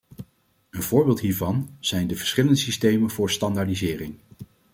Een voorbeeld hiervan zijn de verschillende systemen voor standaardisering.